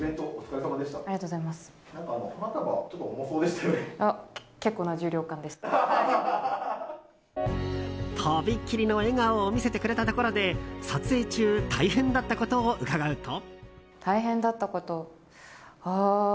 とびっきりの笑顔を見せてくれたところで撮影中大変だったことを伺うと。